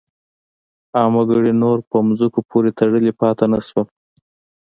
عام وګړي نور په ځمکو پورې تړلي پاتې نه شول.